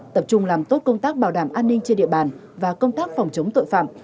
tập trung làm tốt công tác bảo đảm an ninh trên địa bàn và công tác phòng chống tội phạm